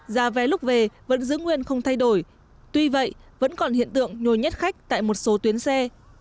giá vé lúc về vẫn giữ nguyên không thay đổi tuy vậy vẫn còn hiện tượng nhồi nhét khách tại một số tuyến xe